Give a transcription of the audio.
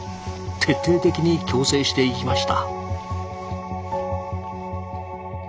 徹底的に矯正していきました。